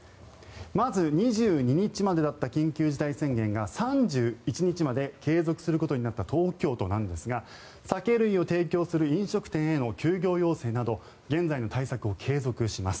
まず２２日までだった緊急事態宣言が３１日まで継続することになった東京都なんですが酒類を提供する飲食店への休業要請など現在の対策を継続します。